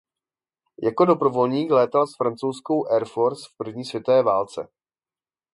Jako dobrovolník létal s francouzskou "Air forces" v první světové válce.